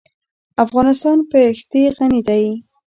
افغانستان په ښتې غني دی.